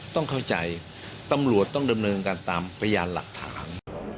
ต้องเข้าใจตำรวจต้องดำเนินการตามพยานหลักฐาน